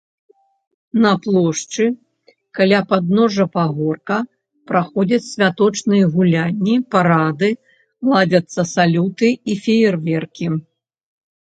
На плошчы каля падножжа пагорка праходзяць святочныя гулянні, парады, ладзяцца салюты і феерверкі.